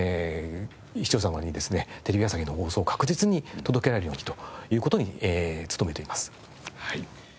視聴者様にですねテレビ朝日の放送を確実に届けられるようにという事に努めています。